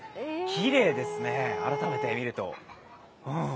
きれいですね、改めて見ると。